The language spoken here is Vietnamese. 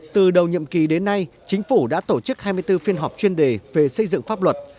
từ đầu nhiệm kỳ đến nay chính phủ đã tổ chức hai mươi bốn phiên họp chuyên đề về xây dựng pháp luật